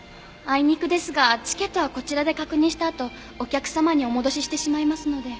あいにくですがチケットはこちらで確認したあとお客様にお戻ししてしまいますので。